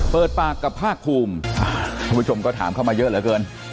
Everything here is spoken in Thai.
เปิดปากกับภาคภูมิท่านผู้ชมก็ถามเข้ามาเยอะเหลือเกิน